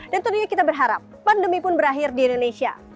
dan tentunya kita berharap pandemi pun berakhir di indonesia